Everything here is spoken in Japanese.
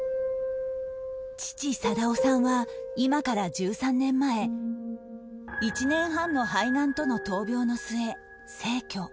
父貞雄さんは今から１３年前１年半の肺がんとの闘病の末逝去